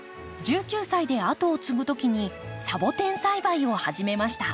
１９歳で後を継ぐ時にサボテン栽培を始めました。